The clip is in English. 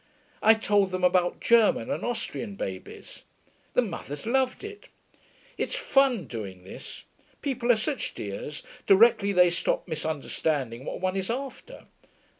I told them about German and Austrian babies.... The mothers loved it.... It's fun doing this. People are such dears, directly they stop misunderstanding what one is after.